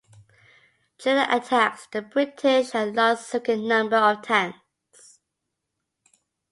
During the attacks, the British had lost a significant number of tanks.